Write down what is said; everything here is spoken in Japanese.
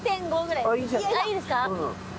いいですか。